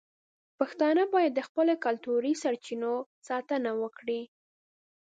پښتانه باید د خپلو کلتوري سرچینو ساتنه وکړي.